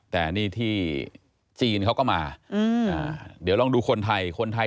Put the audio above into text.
แต่นี่ที่จีนเขาก็มาอืมอ่าเดี๋ยวลองดูคนไทย